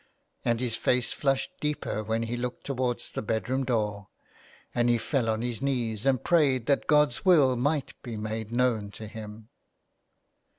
And his face flushed deeper when he looked towards the bedroom door, and he fell on his knees and prayed that God's will might be made known to him.